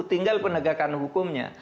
tinggal penegakan hukumnya